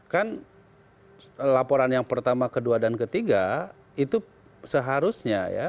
kan laporan yang pertama kedua dan ketiga itu seharusnya ya